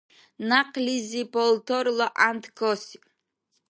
Някълизи палтарла гӀянд касиб.